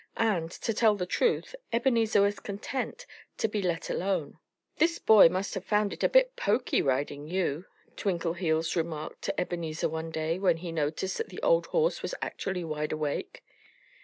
And, to tell the truth, Ebenezer was content to be let alone. "This boy must have found it a bit poky, riding you," Twinkleheels remarked to Ebenezer one day when he noticed that the old horse was actually wide awake.